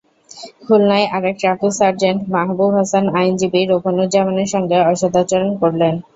খুলনায় আরেক traffic sergeant Mahbub Hasan আইনজীবী রোকনুজ্জামানের সঙ্গে অসদাচরণ করলেন।